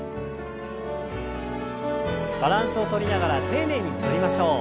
バランスをとりながら丁寧に戻りましょう。